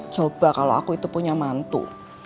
coba kalau aku itu punya mantu